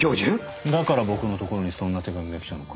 だから僕のところにそんな手紙が来たのか。